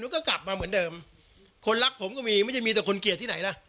ก็กลับมาเหมือนเดิมคนรักผมก็มีไม่ใช่มีแต่คนเกลียดที่ไหนล่ะ